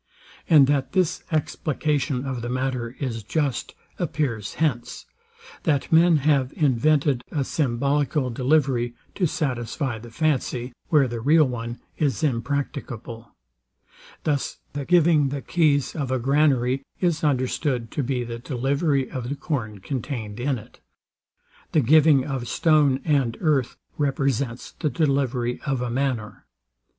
And that this explication of the matter is just, appears hence, that men have invented a symbolical delivery, to satisfy the fancy, where the real one is impracticable. Thus the giving the keys of a granary is understood to be the delivery of the corn contained in it: The giving of stone and earth represents the delivery of a manor.